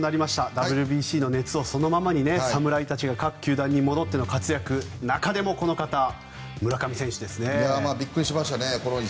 ＷＢＣの熱をそのままに侍たちが各球団に戻っての活躍中でもこの方びっくりしましたね。